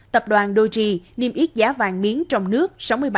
tập đoàn doji niêm yết giá vàng miếng trong nước